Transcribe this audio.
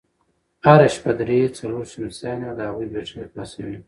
هره شپه درې، څلور شمسيانې او د هغوی بېټرۍ خلاصوي،